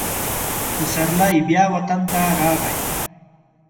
پسرلی بیا وطن ته راغی.